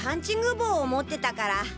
帽を持ってたから。